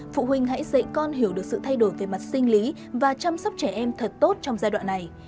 phụ huynh hãy dạy con hiểu được sự thay đổi về mặt sinh lý và chăm sóc trẻ em thật tốt trong giai đoạn này